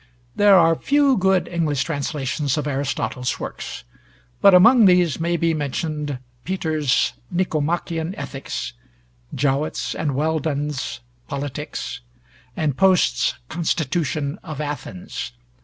There are few good English translations of Aristotle's works; but among these may be mentioned Peter's 'Nicomachean Ethics,' Jowett's and Welldon's 'Politics,' and Poste's 'Constitution of Athens.'